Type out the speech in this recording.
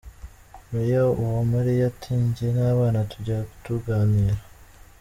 Mayor Uwamariya ati :”Njye n’abana tujya tuganira.